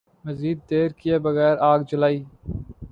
مزید دیر کئے بغیر آگ جلائی